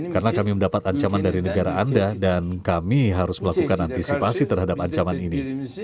karena kami mendapat ancaman dari negara anda dan kami harus melakukan antisipasi terhadap ancaman ini